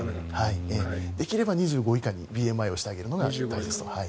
できれば２５以下にＢＭＩをしてあげるのがいいと。